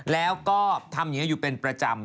แล้วก็ทำอย่างนี้อยู่เป็นประจำ